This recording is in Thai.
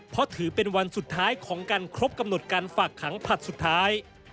เพราะถือเป็นวันสุดท้ายของการครบกำหนดการฝากขังผลัดสุดท้าย